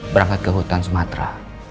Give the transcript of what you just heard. berangkat ke hutan sumatera